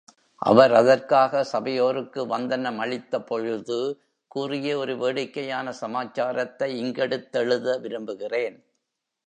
அவர் அதற்காக சபையோருக்கு வந்தனம் அளித்த பொழுது கூறிய ஒரு வேடிக்கையான சமாச்சாரத்தை இங்கெடுத்தெழுத விரும்புகிறேன்.